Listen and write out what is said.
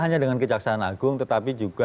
hanya dengan kejaksaan agung tetapi juga